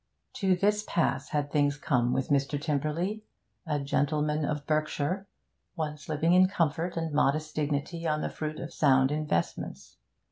To this pass had things come with Mr. Tymperley, a gentleman of Berkshire, once living in comfort and modest dignity on the fruit of sound investments.